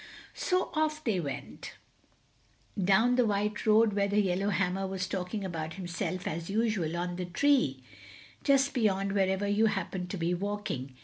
So off they went, down the white road where the yellowhammer was talking about himself as usual on the tree just beyond wherever you happened to be walking.